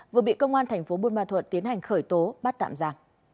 vừa bị công an tp bun ma thuật tiến hành khởi tố bắt tạm giả